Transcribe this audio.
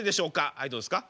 はいどうっすか？